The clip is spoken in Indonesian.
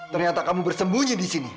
ternyata kamu bersembunyi disini